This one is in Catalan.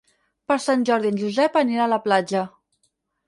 Per Sant Jordi en Josep anirà a la platja.